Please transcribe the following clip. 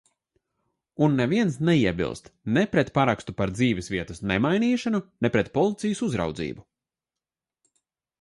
Un neviens neiebilst ne pret parakstu par dzīvesvietas nemainīšanu, ne pret policijas uzraudzību.